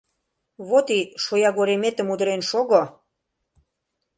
Вот и шоягореметым удырен шого!